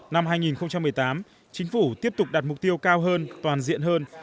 năm hai nghìn một mươi tám chính phủ tiếp tục đạt mục tiêu cao hơn toàn diện hơn